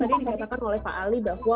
tadi dikatakan oleh pak ali bahwa